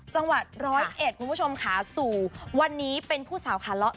จังหวัดร้อยเห็นที่รีสิปุ่มชมขาสู่วันนี้เป็นผู้สาวขาละ